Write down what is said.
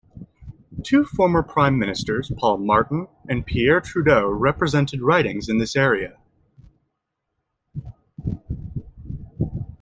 Two former Prime Ministers, Paul Martin and Pierre Trudeau, represented ridings in this area.